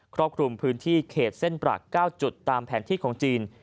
รอบคลุมพื้นที่เขตเส้นปรัก๙จุดตามแผนที่ของจีน